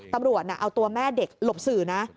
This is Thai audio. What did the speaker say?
ตำรวจเอาตัวแม่เด็กหลบสื่อนะ